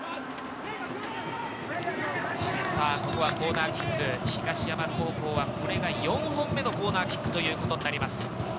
コーナーキック、東山高校はこれが４本目のコーナーキックということになります。